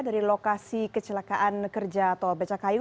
dari lokasi kecelakaan kerja atau becak kayu